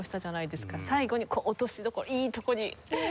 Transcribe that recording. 最後に落としどころいいとこに。